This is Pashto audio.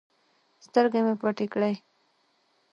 سترگې مې پټې کړې.